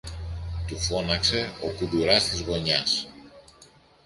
του φώναξε ο κουντουράς της γωνιάς.